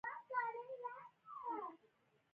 د روم امپراتوري مالیات له سل میلیونه ښاریانو اخیستل.